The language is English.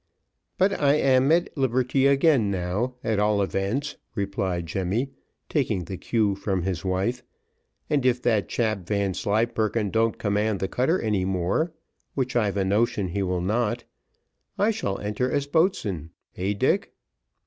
"But I am at liberty again now at all events," replied Jemmy, taking the cue from his wife; "and if that chap, Vanslyperken, don't command the cutter any more, which I've a notion he will not, I shall enter as boatswain heh, Dick."